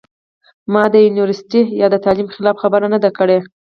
ما د يونيورسټۍ يا د تعليم خلاف خبره نۀ ده کړې